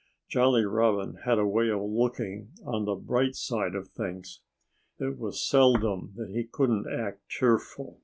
Jolly Robin had a way of looking on the bright side of things. It was seldom that he couldn't act cheerful.